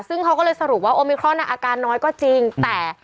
ซึ่งเขาก็เลยสรุปว่าโอมิครอนอาการน้อยก็จริงแต่